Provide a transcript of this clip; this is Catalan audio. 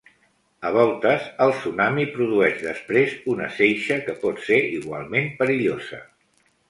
A voltes el tsunami produeix després una seixa que pot ser igualment perillosa.